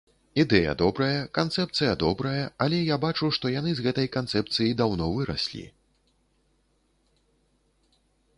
Ідэя добрая, канцэпцыя добрая, але я бачу, што яны з гэтай канцэпцыі даўно выраслі.